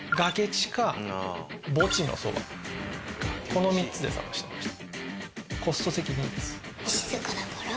この３つで探してました。